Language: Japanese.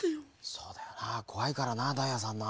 そうだよなこわいからなダイヤさんな。